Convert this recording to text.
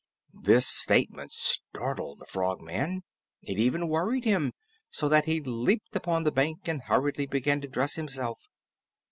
This statement startled the Frogman. It even worried him, so that he leaped upon the bank and hurriedly began to dress himself.